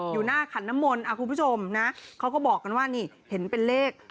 อยู่หน้าขันน้ำมนต์คุณผู้ชมนะเขาก็บอกกันว่านี่เห็นเป็นเลข